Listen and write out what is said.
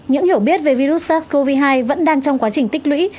những hiểu biết về virus sars cov hai vẫn đang trong quá trình tích lũy